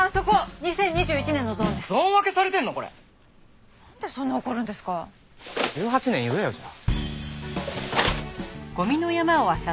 ２０１８年言えよじゃあ。